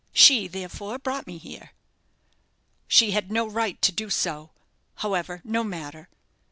She therefore brought me here." "She had no right to do so. However, no matter.